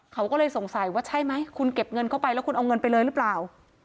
เขาก็เลยสงสัยว่าใช่ไหมคุณเก็บเงินเข้าไปแล้วคุณเอาเงินไปเลยหรือเปล่า